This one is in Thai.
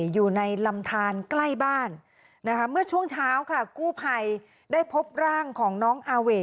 อยู่ในลำทานใกล้บ้านนะคะเมื่อช่วงเช้าค่ะกู้ภัยได้พบร่างของน้องอาเว่